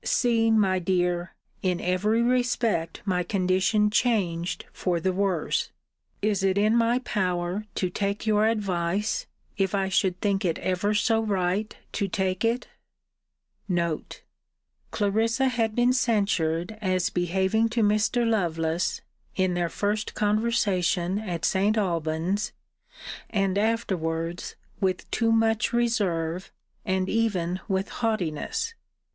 See, my dear! in every respect my condition changed for the worse! Is it in my power to take your advice, if I should think it ever so right to take it?* * Clarissa had been censured as behaving to Mr. Lovelace, in their first conversation at St. Alban's, and afterwards, with too much reserve, and even with haughtiness.